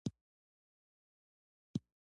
تر ټولو کوچنی هډوکی په غوږ کې دی.